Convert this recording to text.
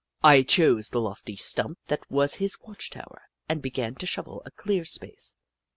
I chose the lofty stump that was his watch tower and began to shovel a clear space.